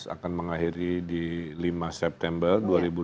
akan mengakhiri di lima september dua ribu dua puluh